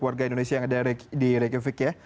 warga indonesia yang ada di regifik ya